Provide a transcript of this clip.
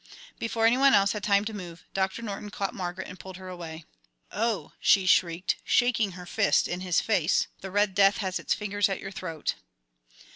Before any one else had time to move, Doctor Norton caught Margaret and pulled her away. "Oh," she shrieked, shaking her fist in his face, "the Red Death has its fingers at your throat!"